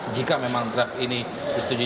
jika memang draft ini disetujui